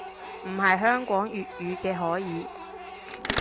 唔係香港粵語嘅可以